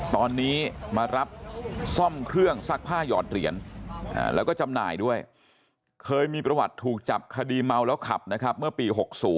ตอนนี้มารับซ่อมเครื่องซักผ้าหยอดเหรียญแล้วก็จำหน่ายด้วยเคยมีประวัติถูกจับคดีเมาแล้วขับนะครับเมื่อปี๖๐